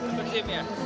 dapet sim ya